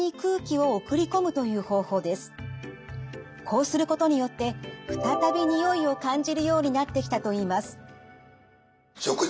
こうすることによって再び匂いを感じるようになってきたといいます。